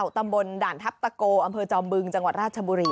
ตำบลด่านทัพตะโกอำเภอจอมบึงจังหวัดราชบุรี